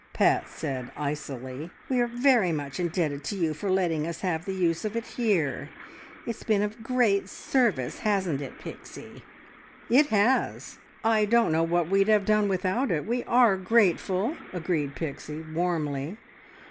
Pat said icily. "We are very much indebted to you for letting us have the use of it here. It's been of great service, hasn't it, Pixie?" "It has! I don't know what we'd have done without it. We are grateful," agreed Pixie warmly.